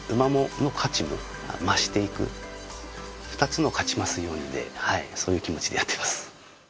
２つの「かちますように」でそういう気持ちでやっています